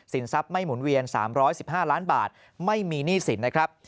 ทรัพย์ไม่หมุนเวียน๓๑๕ล้านบาทไม่มีหนี้สินนะครับ